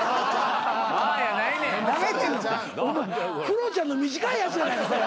クロちゃんの短いやつやないか。